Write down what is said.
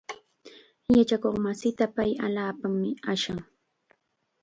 Yachakuqmasinta pay allaapam ashan.